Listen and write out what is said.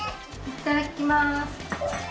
いっただきます。